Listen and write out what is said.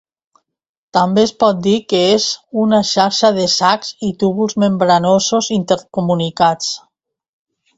També es pot dir que és una xarxa de sacs i túbuls membranosos intercomunicats.